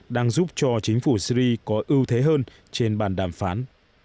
đang giúp cho chính phủ syri có ưu thế hơn trên bàn đàm phán